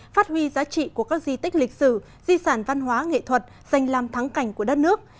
phát huy giá trị của các di tích lịch sử di sản văn hóa nghệ thuật dành làm thắng cảnh của đất nước